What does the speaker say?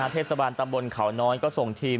เทศบาลตำบลเขาน้อยก็ส่งทีม